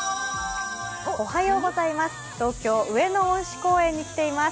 東京上野恩賜公園に来ています。